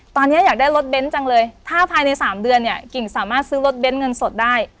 ตอนนี้อยากได้รถเบ้นจังเลยถ้าภายใน๓เดือนเนี่ยกิ่งสามารถซื้อรถเน้นเงินสดได้